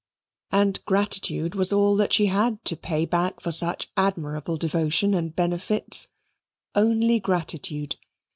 And gratitude was all that she had to pay back for such admirable devotion and benefits only gratitude!